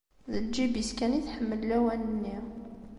D lǧib-is kan i tḥemmel lawan-nni.